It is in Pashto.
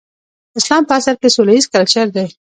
اسلام په اصل کې سوله ييز کلچر دی.